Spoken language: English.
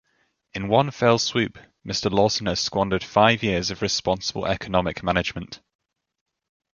In one fell swoop Mr Lawson has squandered five years of responsible economic management.